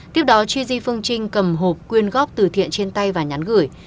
tiếp đó chi di phương trinh cầm hộp quyên góp từ thiện trên tay và nhắn gửi